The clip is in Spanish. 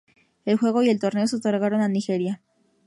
El juego y el torneo se otorgaron a Nigeria.